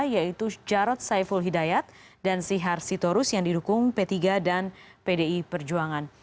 yaitu jarod saiful hidayat dan sihar sitorus yang didukung p tiga dan pdi perjuangan